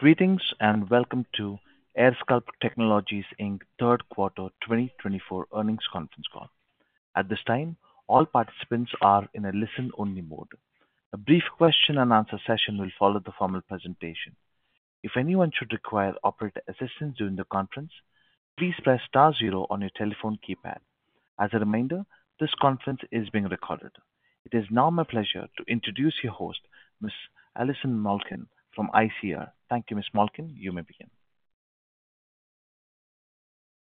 Greetings and welcome to AirSculpt Technologies Inc Q3 2024 Earnings Conference Call. At this time, all participants are in a listen-only mode. A brief question-and-answer session will follow the formal presentation. If anyone should require operator assistance during the conference, please press star zero on your telephone keypad. As a reminder, this conference is being recorded. It is now my pleasure to introduce your host, Ms. Alison Malkin from ICR. Thank you, Ms. Malkin. You may begin.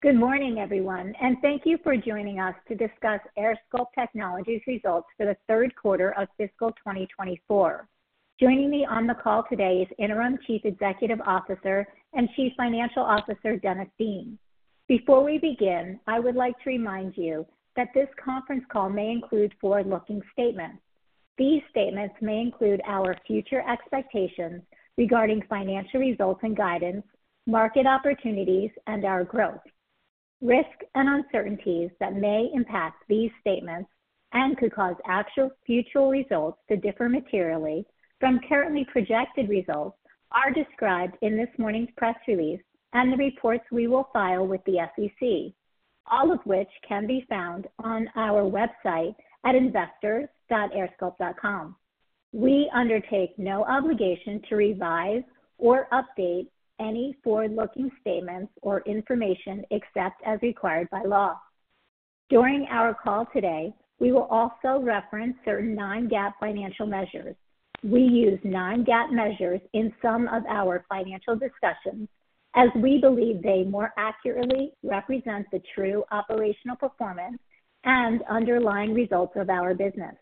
Good morning, everyone, and thank you for joining us to discuss AirSculpt Technologies' results for Q3 of fiscal 2024. Joining me on the call today is Interim Chief Executive Officer and Chief Financial Officer Dennis Dean. Before we begin, I would like to remind you that this conference call may include forward-looking statements. These statements may include our future expectations regarding financial results and guidance, market opportunities, and our growth. Risks and uncertainties that may impact these statements and could cause actual future results to differ materially from currently projected results are described in this morning's press release and the reports we will file with the SEC, all of which can be found on our website at investors.airsculpt.com. We undertake no obligation to revise or update any forward-looking statements or information except as required by law. During our call today, we will also reference certain non-GAAP financial measures. We use non-GAAP measures in some of our financial discussions as we believe they more accurately represent the true operational performance and underlying results of our business.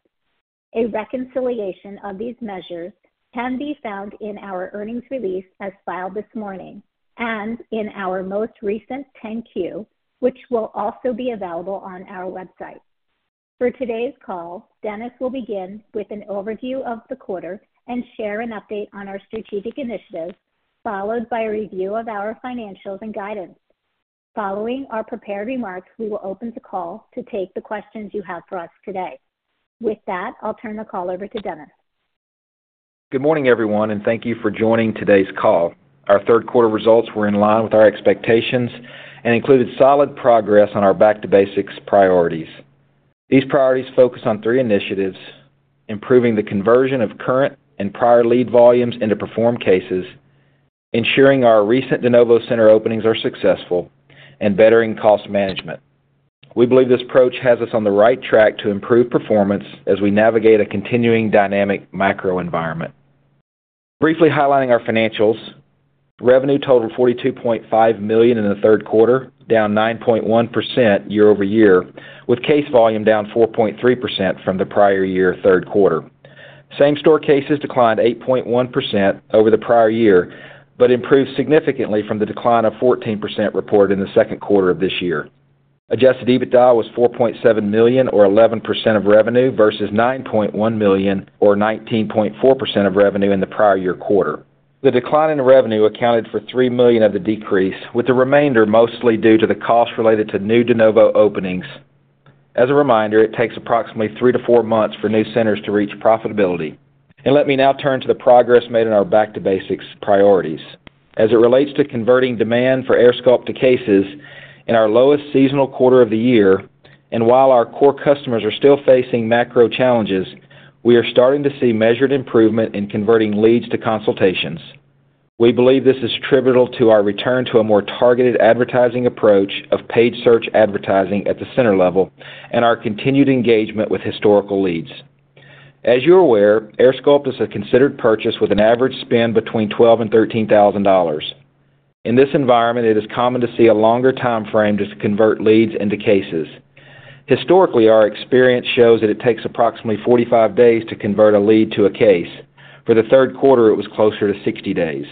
A reconciliation of these measures can be found in our earnings release as filed this morning and in our most recent 10-Q, which will also be available on our website. For today's call, Dennis will begin with an overview of the quarter and share an update on our strategic initiatives, followed by a review of our financials and guidance. Following our prepared remarks, we will open the call to take the questions you have for us today. With that, I'll turn the call over to Dennis. Good morning, everyone, and thank you for joining today's call. Our Q3 results were in line with our expectations and included solid progress on our back-to-basics priorities. These priorities focus on three initiatives: improving the conversion of current and prior lead volumes into performed cases, ensuring our recent de novo center openings are successful, and bettering cost management. We believe this approach has us on the right track to improve performance as we navigate a continuing dynamic macro environment. Briefly highlighting our financials: revenue totaled $42.5 million in Q3, down 9.1% year-over-year, with case volume down 4.3% from the prior year Q3. Same-store cases declined 8.1% over the prior year but improved significantly from the decline of 14% reported in Q2 of this year. Adjusted EBITDA was $4.7 million, or 11% of revenue, versus $9.1 million, or 19.4% of revenue, in Q2. The decline in revenue accounted for $3 million of the decrease, with the remainder mostly due to the costs related to new de novo openings. As a reminder, it takes approximately three to four months for new centers to reach profitability. And let me now turn to the progress made in our Back-to-Basics priorities. As it relates to converting demand for AirSculpt to cases in our lowest seasonal quarter of the year, and while our core customers are still facing macro challenges, we are starting to see measured improvement in converting leads to consultations. We believe this is attributable to our return to a more targeted advertising approach of paid search advertising at the center level and our continued engagement with historical leads. As you're aware, AirSculpt is a considered purchase with an average spend between $12,000 and $13,000. In this environment, it is common to see a longer timeframe to convert leads into cases. Historically, our experience shows that it takes approximately 45 days to convert a lead to a case. For Q3, it was closer to 60 days.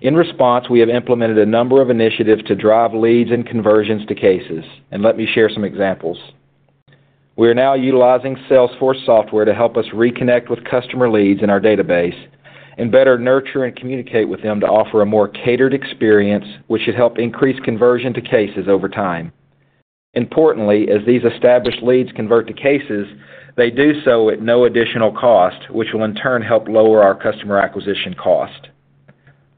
In response, we have implemented a number of initiatives to drive leads and conversions to cases, and let me share some examples. We are now utilizing Salesforce software to help us reconnect with customer leads in our database and better nurture and communicate with them to offer a more tailored experience, which should help increase conversion to cases over time. Importantly, as these established leads convert to cases, they do so at no additional cost, which will in turn help lower our customer acquisition cost.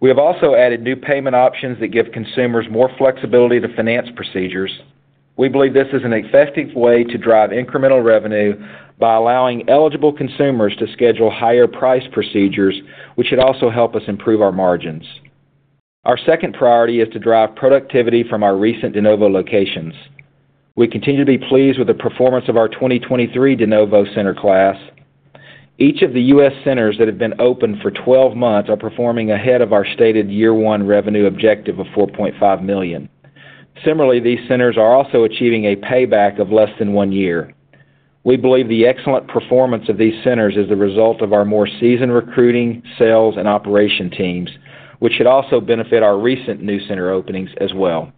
We have also added new payment options that give consumers more flexibility to finance procedures. We believe this is an effective way to drive incremental revenue by allowing eligible consumers to schedule higher-priced procedures, which should also help us improve our margins. Our second priority is to drive productivity from our recent de novo locations. We continue to be pleased with the performance of our 2023 de novo center class. Each of the U.S. centers that have been open for 12 months are performing ahead of our stated year-one revenue objective of $4.5 million. Similarly, these centers are also achieving a payback of less than one year. We believe the excellent performance of these centers is the result of our more seasoned recruiting, sales, and operation teams, which should also benefit our recent new center openings as well.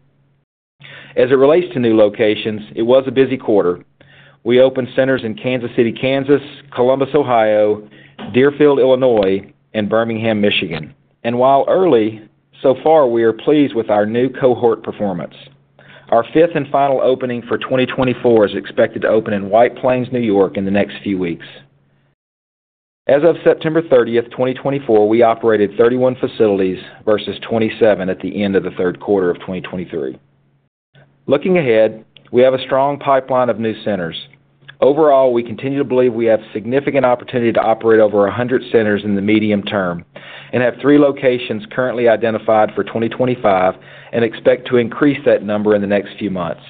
As it relates to new locations, it was a busy quarter. We opened centers in Kansas City, Kansas, Columbus, Ohio, Deerfield, Illinois, and Birmingham, Michigan. While early, so far we are pleased with our new cohort performance. Our fifth and final opening for 2024 is expected to open in White Plains, New York, in the next few weeks. As of September 30, 2024, we operated 31 facilities versus 27 at the end of Q3 of 2023. Looking ahead, we have a strong pipeline of new centers. Overall, we continue to believe we have significant opportunity to operate over 100 centers in the medium term and have three locations currently identified for 2025 and expect to increase that number in the next few months.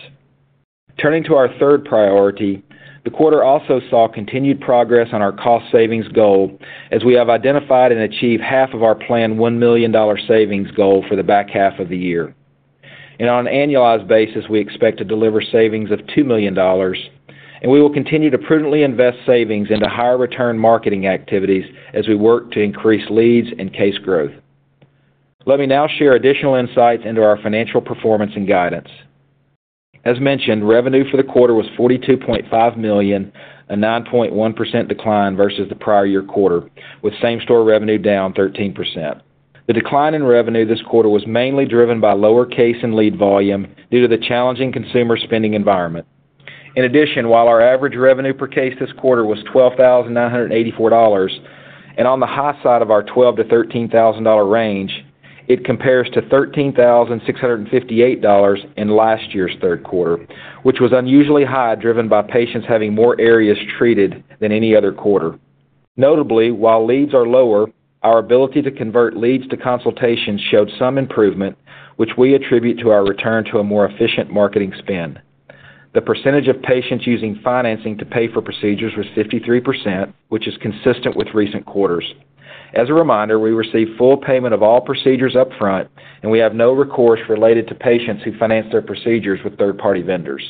Turning to our third priority, the quarter also saw continued progress on our cost savings goal as we have identified and achieved $500,000 of our planned $1 million savings goal for the back half of the year. And on an annualized basis, we expect to deliver savings of $2 million, and we will continue to prudently invest savings into higher-return marketing activities as we work to increase leads and case growth. Let me now share additional insights into our financial performance and guidance. As mentioned, revenue for the quarter was $42.5 million, a 9.1% decline versus the prior year quarter, with same-store revenue down 13%. The decline in revenue this quarter was mainly driven by lower case and lead volume due to the challenging consumer spending environment. In addition, while our average revenue per case this quarter was $12,984 and on the high side of our $12,000-$13,000 range, it compares to $13,658 in last year's Q3, which was unusually high driven by patients having more areas treated than any other quarter. Notably, while leads are lower, our ability to convert leads to consultations showed some improvement, which we attribute to our return to a more efficient marketing spend. The percentage of patients using financing to pay for procedures was 53%, which is consistent with recent quarters. As a reminder, we received full payment of all procedures upfront, and we have no recourse related to patients who finance their procedures with third-party vendors.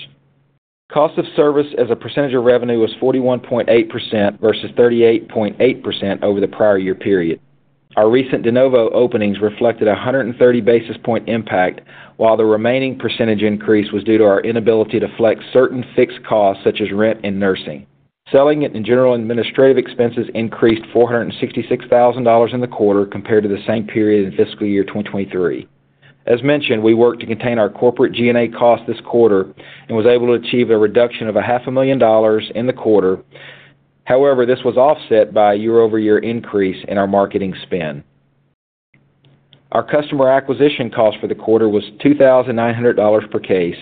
Cost of service as a percentage of revenue was 41.8% versus 38.8% over the prior year period. Our recent de novo openings reflected a 130 basis points impact, while the remaining percentage increase was due to our inability to flex certain fixed costs such as rent and nursing. Selling and general administrative expenses increased $466,000 in the quarter compared to the same period in fiscal year 2023. As mentioned, we worked to contain our corporate G&A costs this quarter and was able to achieve a reduction of $500,000 in the quarter. However, this was offset by a year-over-year increase in our marketing spend. Our customer acquisition cost for the quarter was $2,900 per case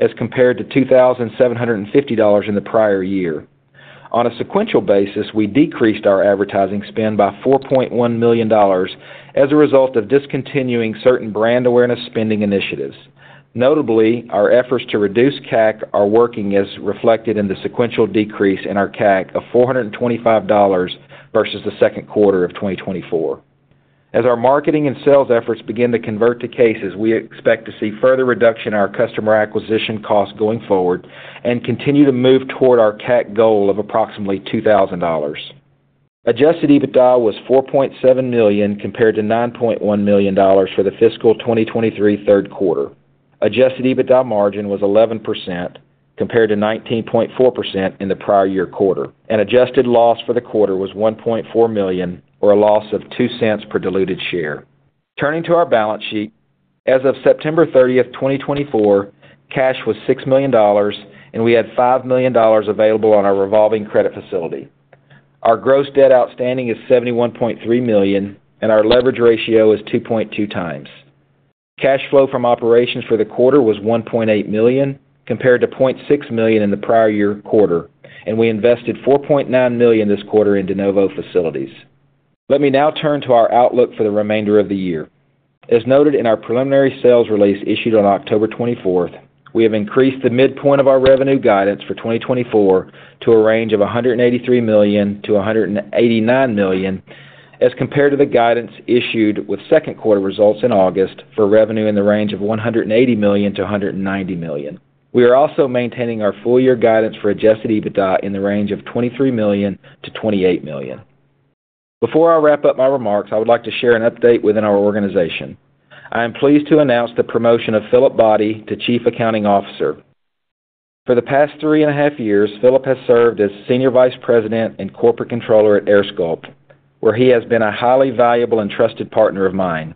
as compared to $2,750 in the prior year. On a sequential basis, we decreased our advertising spend by $4.1 million as a result of discontinuing certain brand awareness spending initiatives. Notably, our efforts to reduce CAC are working, as reflected in the sequential decrease in our CAC of $425 versus Q2 of 2024. As our marketing and sales efforts begin to convert to cases, we expect to see further reduction in our customer acquisition costs going forward and continue to move toward our CAC goal of approximately $2,000. Adjusted EBITDA was $4.7 million compared to $9.1 million for Q2 2023. Adjusted EBITDA margin was 11% compared to 19.4% in the prior year quarter, and adjusted loss for the quarter was $1.4 million, or a loss of $0.02 per diluted share. Turning to our balance sheet, as of September 30, 2024, cash was $6 million, and we had $5 million available on our revolving credit facility. Our gross debt outstanding is $71.3 million, and our leverage ratio is 2.2 times. Cash flow from operations for the quarter was $1.8 million compared to $0.6 million in the prior year quarter, and we invested $4.9 million this quarter in de novo facilities. Let me now turn to our outlook for the remainder of the year. As noted in our preliminary sales release issued on October 24, we have increased the midpoint of our revenue guidance for 2024 to a range of $183 million-$189 million as compared to the guidance issued with Q2 results in August for revenue in the range of $180 million-$190 million. We are also maintaining our full-year guidance for adjusted EBITDA in the range of $23 million-$28 million. Before I wrap up my remarks, I would like to share an update within our organization. I am pleased to announce the promotion of Philip Bodie to Chief Accounting Officer. For the past three and a half years, Philip has served as Senior Vice President and Corporate Controller at AirSculpt, where he has been a highly valuable and trusted partner of mine.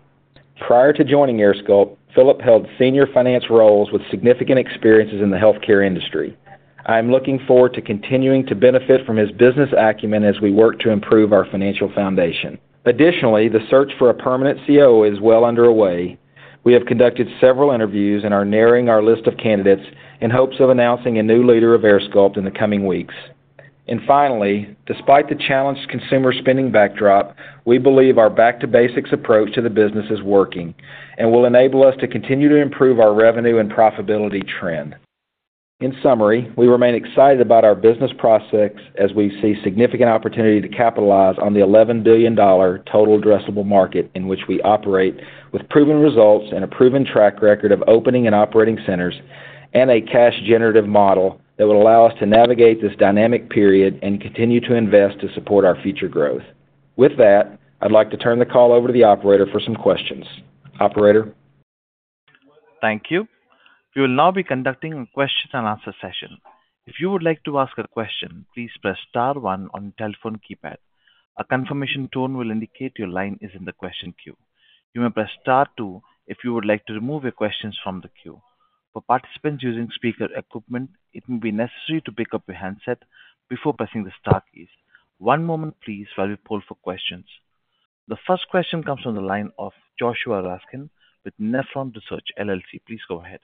Prior to joining AirSculpt, Philip held senior finance roles with significant experiences in the healthcare industry. I am looking forward to continuing to benefit from his business acumen as we work to improve our financial foundation. Additionally, the search for a permanent CEO is well underway. We have conducted several interviews and are narrowing our list of candidates in hopes of announcing a new leader of AirSculpt in the coming weeks. And finally, despite the challenged consumer spending backdrop, we believe our back-to-basics approach to the business is working and will enable us to continue to improve our revenue and profitability trend. In summary, we remain excited about our business prospects as we see significant opportunity to capitalize on the $11 billion total addressable market in which we operate, with proven results and a proven track record of opening and operating centers and a cash-generative model that will allow us to navigate this dynamic period and continue to invest to support our future growth. With that, I'd like to turn the call over to the operator for some questions. Operator. Thank you. We will now be conducting a question and answer session. If you would like to ask a question, please press star one on your telephone keypad. A confirmation tone will indicate your line is in the question queue. You may press star two if you would like to remove your questions from the queue. For participants using speaker equipment, it may be necessary to pick up your handset before pressing the Star keys. One moment, please, while we poll for questions. The first question comes from the line of Joshua Raskin with Nephron Research LLC. Please go ahead.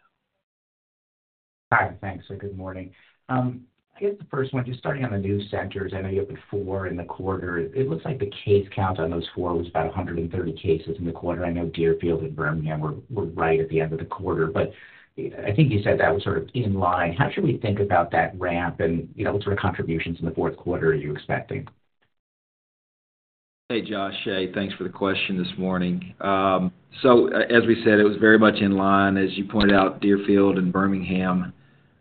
Hi. Thanks. Good morning. I guess the first one, just starting on the new centers, I know you had four in the quarter. It looks like the case count on those four was about 130 cases in the quarter. I know Deerfield and Birmingham were right at the end of the quarter, but I think you said that was sort of in line. How should we think about that ramp and what sort of contributions in the fourth quarter are you expecting? Hey, Joshua. Hey, thanks for the question this morning. So as we said, it was very much in line. As you pointed out, Deerfield and Birmingham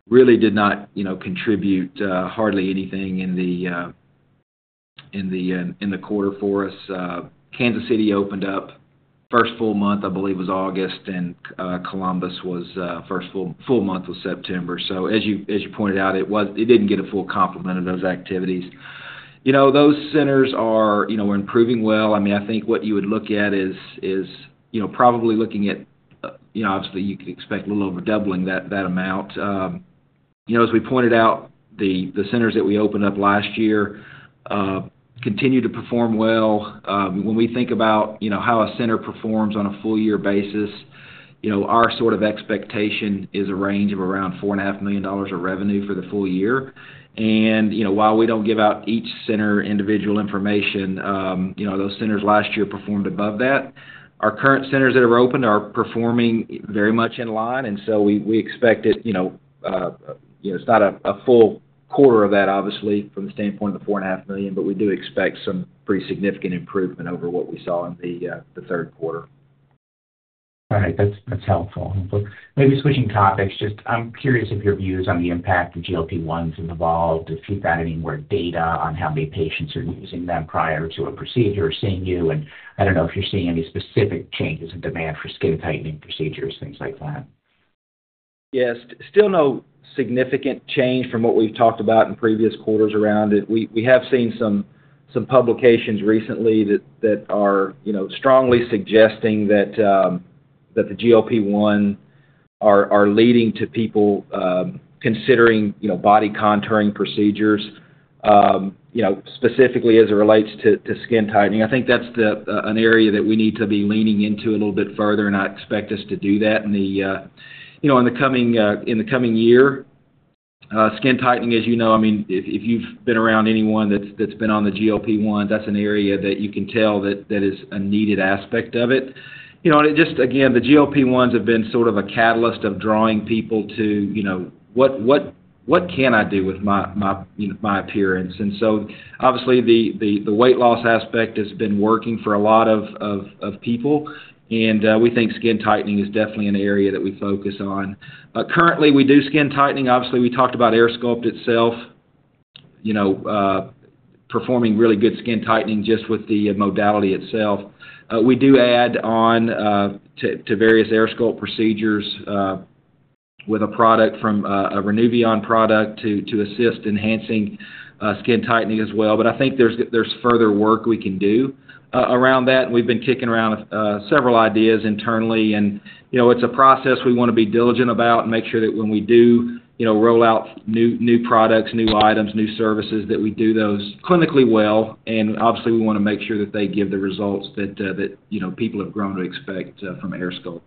really did not contribute hardly anything in the quarter for us. Kansas City opened up first full month, I believe, was August, and Columbus was first full month was September. So as you pointed out, it didn't get a full complement of those activities. Those centers are improving well. I mean, I think what you would look at is probably looking at, obviously, you could expect a little over doubling that amount. As we pointed out, the centers that we opened up last year continue to perform well. When we think about how a center performs on a full-year basis, our sort of expectation is a range of around $4.5 million of revenue for the full year. And while we don't give out each center individual information, those centers last year performed above that. Our current centers that are open are performing very much in line, and so we expect it's not a full quarter of that, obviously, from the standpoint of the $4.5 million, but we do expect some pretty significant improvement over what we saw in the third quarter. All right. That's helpful. Maybe switching topics, just, I'm curious of your views on the impact of GLP-1s and the bulge. If you've got any more data on how many patients are using them prior to a procedure or seeing you, and I don't know if you're seeing any specific changes in demand for skin tightening procedures, things like that. Yes. Still no significant change from what we've talked about in previous quarters around it. We have seen some publications recently that are strongly suggesting that the GLP-1 are leading to people considering body contouring procedures, specifically as it relates to skin tightening. I think that's an area that we need to be leaning into a little bit further, and I expect us to do that in the coming year. Skin tightening, as you know, I mean, if you've been around anyone that's been on the GLP-1, that's an area that you can tell that is a needed aspect of it. Just again, the GLP-1s have been sort of a catalyst of drawing people to, "What can I do with my appearance?" And so obviously, the weight loss aspect has been working for a lot of people, and we think skin tightening is definitely an area that we focus on. Currently, we do skin tightening. Obviously, we talked about AirSculpt itself, performing really good skin tightening just with the modality itself. We do add on to various AirSculpt procedures with a product from a Renuvion product to assist enhancing skin tightening as well. But I think there's further work we can do around that, and we've been kicking around several ideas internally. And it's a process we want to be diligent about and make sure that when we do roll out new products, new items, new services, that we do those clinically well. Obviously, we want to make sure that they give the results that people have grown to expect from AirSculpt.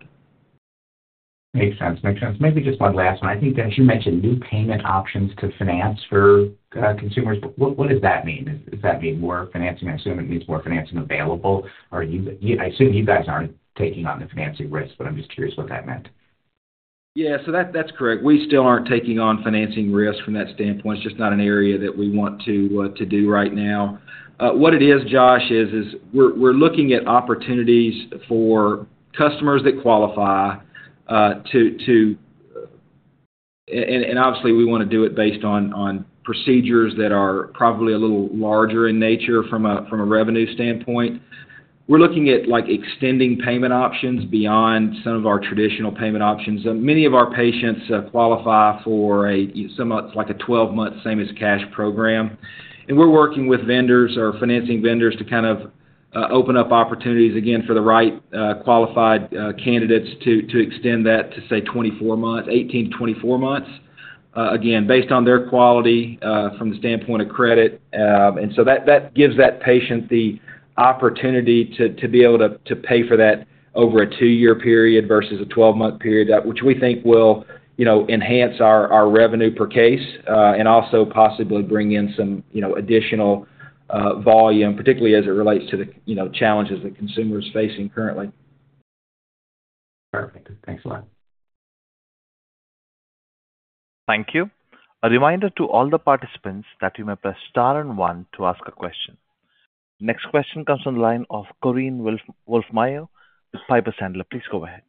Makes sense. Makes sense. Maybe just one last one. I think that, as you mentioned, new payment options to finance for consumers. What does that mean? Does that mean more financing? I assume it means more financing available. I assume you guys aren't taking on the financing risk, but I'm just curious what that meant. Yeah. So that's correct. We still aren't taking on financing risk from that standpoint. It's just not an area that we want to do right now. What it is, Josh, is we're looking at opportunities for customers that qualify to—and obviously, we want to do it based on procedures that are probably a little larger in nature from a revenue standpoint. We're looking at extending payment options beyond some of our traditional payment options. Many of our patients qualify for a—it's like a 12-month same-as-cash program. And we're working with vendors or financing vendors to kind of open up opportunities again for the right qualified candidates to extend that to, say, 24 months, 18 to 24 months, again, based on their quality from the standpoint of credit. And so that gives that patient the opportunity to be able to pay for that over a two-year period versus a 12-month period, which we think will enhance our revenue per case and also possibly bring in some additional volume, particularly as it relates to the challenges that consumers are facing currently. Perfect. Thanks a lot. Thank you. A reminder to all the participants that you may press Star and one to ask a question. Next question comes from the line of Korinne Wolfmeyer, Piper Sandler. Please go ahead.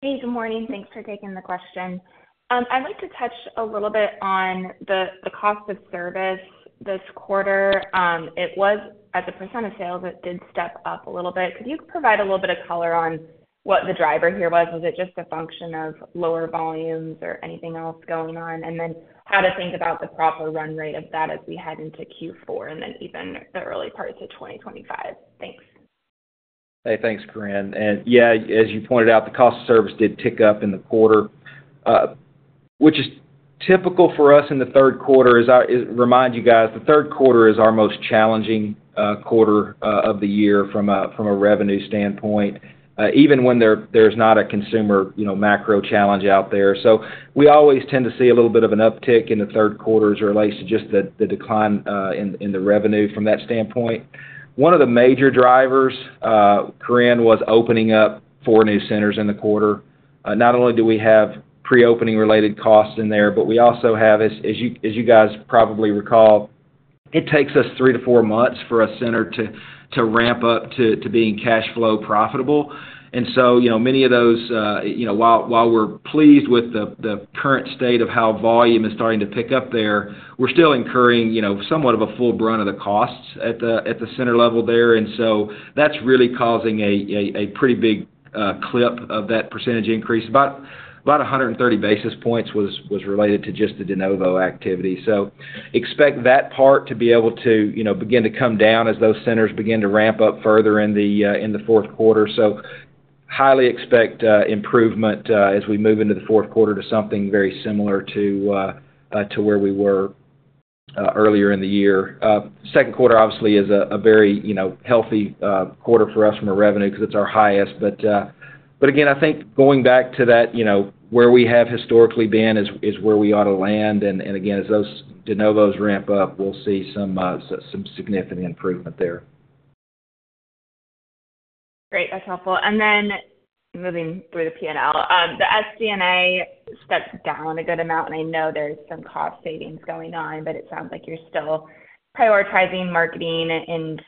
Hey, good morning. Thanks for taking the question. I'd like to touch a little bit on the cost of service this quarter. It was, as a % of sales, it did step up a little bit. Could you provide a little bit of color on what the driver here was? Was it just a function of lower volumes or anything else going on? And then how to think about the proper run rate of that as we head into Q4 and then even the early parts of 2025? Thanks. Hey, thanks, Korinne. And yeah, as you pointed out, the cost of service did tick up in the quarter. What is typical for us in the third quarter is, remind you guys, the third quarter is our most challenging quarter of the year from a revenue standpoint, even when there's not a consumer macro challenge out there. So we always tend to see a little bit of an uptick in the third quarter as it relates to just the decline in the revenue from that standpoint. One of the major drivers, Korinne, was opening up four new centers in the quarter. Not only do we have pre-opening-related costs in there, but we also have, as you guys probably recall, it takes us three to four months for a center to ramp up to being cash flow profitable. And so many of those, while we're pleased with the current state of how volume is starting to pick up there, we're still incurring somewhat of a full brunt of the costs at the center level there. And so that's really causing a pretty big clip of that percentage increase. About 130 basis points was related to just the de novo activity. So expect that part to be able to begin to come down as those centers begin to ramp up further in the fourth quarter. So highly expect improvement as we move into the fourth quarter to something very similar to where we were earlier in the year. Second quarter, obviously, is a very healthy quarter for us from a revenue because it's our highest. But again, I think going back to that, where we have historically been is where we ought to land. Again, as those de novos ramp up, we'll see some significant improvement there. Great. That's helpful. And then moving through the P&L, the SG&A stepped down a good amount, and I know there's some cost savings going on, but it sounds like you're still prioritizing marketing and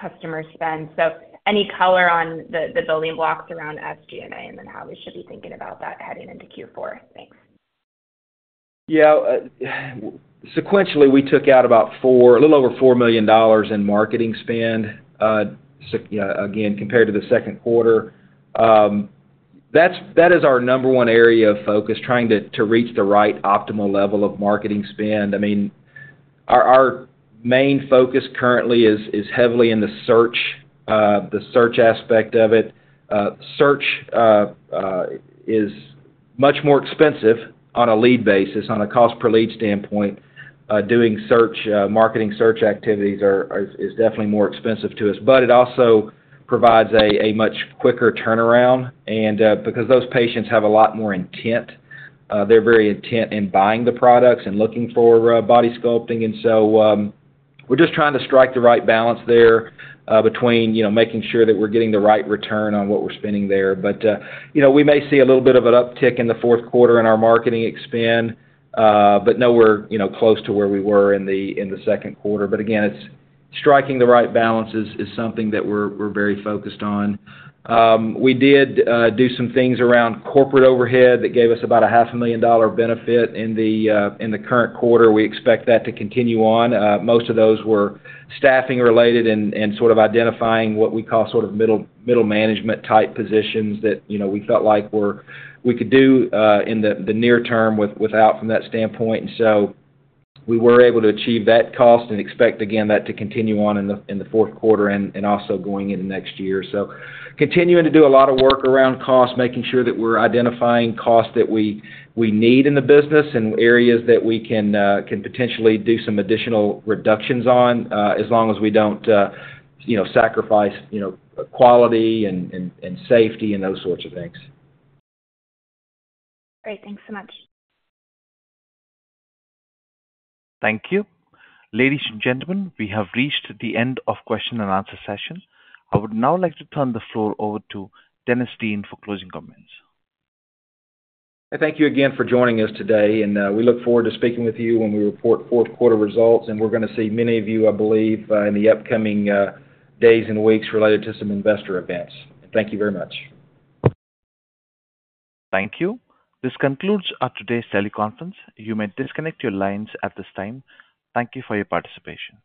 customer spend. So any color on the building blocks around SG&A and then how we should be thinking about that heading into Q4? Thanks. Yeah. Sequentially, we took out about a little over $4 million in marketing spend, again, compared to the second quarter. That is our number one area of focus, trying to reach the right optimal level of marketing spend. I mean, our main focus currently is heavily in the search aspect of it. Search is much more expensive on a lead basis, on a cost per lead standpoint. Doing marketing search activities is definitely more expensive to us, but it also provides a much quicker turnaround. And because those patients have a lot more intent, they're very intent in buying the products and looking for body sculpting. And so we're just trying to strike the right balance there between making sure that we're getting the right return on what we're spending there. But we may see a little bit of an uptick in the fourth quarter in our marketing spend, but no, we're close to where we were in the second quarter. But again, striking the right balance is something that we're very focused on. We did do some things around corporate overhead that gave us about a $500,000 benefit in the current quarter. We expect that to continue on. Most of those were staffing-related and sort of identifying what we call sort of middle management type positions that we felt like we could do in the near term without from that standpoint. And so we were able to achieve that cost and expect, again, that to continue on in the fourth quarter and also going into next year. So continuing to do a lot of work around cost, making sure that we're identifying costs that we need in the business and areas that we can potentially do some additional reductions on as long as we don't sacrifice quality and safety and those sorts of things. Great. Thanks so much. Thank you. Ladies and gentlemen, we have reached the end of the question and answer session. I would now like to turn the floor over to Dennis Dean for closing comments. Thank you again for joining us today, and we look forward to speaking with you when we report fourth quarter results, and we're going to see many of you, I believe, in the upcoming days and weeks related to some investor events. Thank you very much. Thank you. This concludes today's teleconference. You may disconnect your lines at this time. Thank you for your participation.